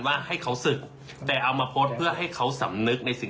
ว่าให้เขาศึกแต่เอามาโพสต์เพื่อให้เขาสำนึกในสิ่ง